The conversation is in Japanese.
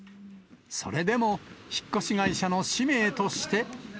それでも引っ越し会社の使命として。